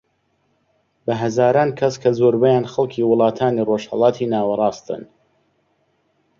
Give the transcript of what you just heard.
بە هەزاران کەس کە زۆربەیان خەڵکی وڵاتانی ڕۆژهەلاتی ناوەڕاستن